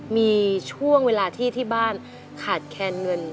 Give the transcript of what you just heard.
มีช่วงเวลาที่ที่บ้านขาดแคนเงิน